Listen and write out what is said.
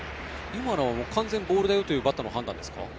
今のは完全にボールだよというバッターの判断ですか？